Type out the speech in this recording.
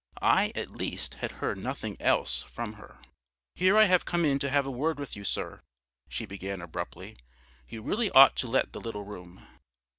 I, at least, had heard nothing else from her. "Here I have come in to have a word with you, sir," she began abruptly; "you really ought to let the little room."